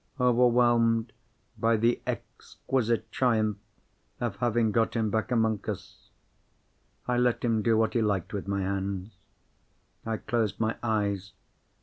Overwhelmed by the exquisite triumph of having got him back among us, I let him do what he liked with my hands. I closed my eyes.